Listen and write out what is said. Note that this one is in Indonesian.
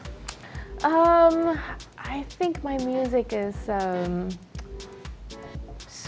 um saya pikir musikku adalah